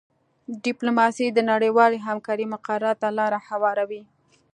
ډیپلوماسي د نړیوالې همکارۍ مقرراتو ته لاره هواروي